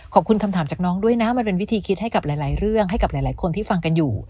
ขอบคุณคำถามจากน้องด้วยนะมันเป็นวิธีคิดให้กับหลายเรื่องให้กับหลายคนที่ฟังกันอยู่